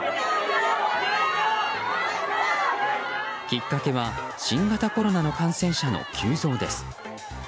きっかけは新型コロナの感染者の急増です。